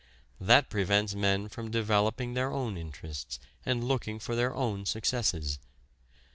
That prevents men from developing their own interests and looking for their own successes.